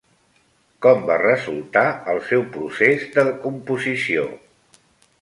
Com va resultar el seu procés de composició?